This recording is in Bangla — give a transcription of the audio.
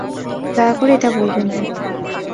দয়া করে এটা বলবেন না।